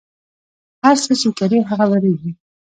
هر څه چې کرې هغه به ریبې